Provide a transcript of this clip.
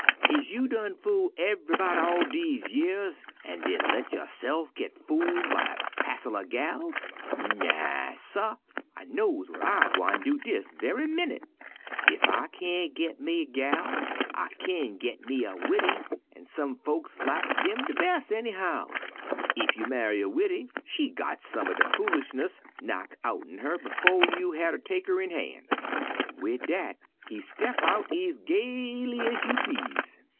Is you done fool ev'yb'dy all dese 'ears an' den let yo'se'f git fooled by a passel er gals? Naw, suh! I knows w'at I gwine do dis ve'y minnit. Ef I kain't git me a gal, I kin git me a widdy, an' some folks laks dem de bes', anyhows. Ef you ma'y a widdy, she got some er de foolishness knock' outen her befo' you hatter tek her in han'.' "Wid dat he step out ez gaily ez you please.